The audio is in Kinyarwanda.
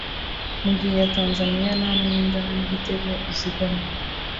mu gihe iya Tanzania nta mwenda nta n’igitego izigamye